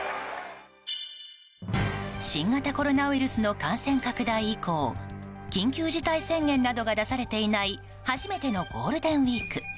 新型コロナウイルスの感染拡大以降緊急事態宣言などが出されていない初めてのゴールデンウィーク。